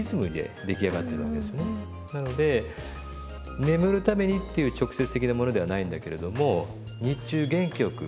なので眠るためにっていう直接的なものではないんだけれども日中元気よく。